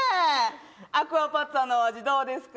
アクアパッツァの味、どうですか？